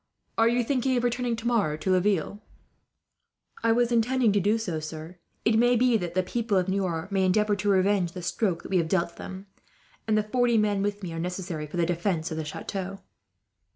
"Are you thinking of returning tomorrow to Laville?" "I was intending to do so, sir. It may be that the people of Niort may endeavour to revenge the stroke that we have dealt them, and the forty men with me are necessary for the defence of the chateau."